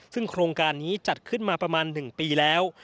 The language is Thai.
ซึ่งโครงการนี้จัดขึ้นมาประมาณ๑ปีแล้ว